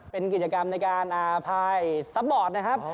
เป็นกิจกรรมในการพายสบอร์ดนะครับ